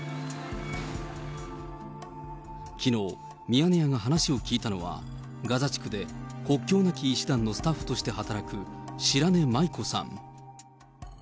きのう、ミヤネ屋が話を聞いたのは、ガザ地区で国境なき医師団のスタッフとして働く白根麻衣子さん。